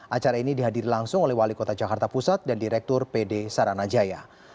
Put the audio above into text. acara ini dihadiri langsung oleh wali kota jakarta pusat dan direktur pd saranajaya